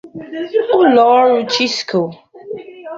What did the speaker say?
ụlọọrụ Chisco